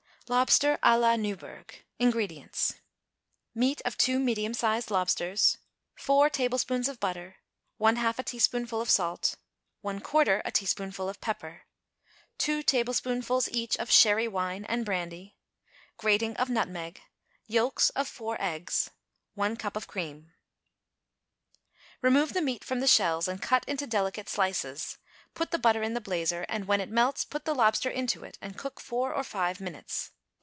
=Lobster à la Newburgh.= INGREDIENTS. Meat of 2 medium sized lobsters. 4 tablespoonfuls of butter. 1/2 a teaspoonful of salt. 1/4 a teaspoonful of pepper. 2 tablespoonfuls, each, of sherry wine and brandy. Grating of nutmeg. Yolks of 4 eggs. 1 cup of cream. Method. Remove the meat from the shells and cut it into delicate slices. Put the butter in the blazer, and, when it melts, put the lobster into it and cook four or five minutes.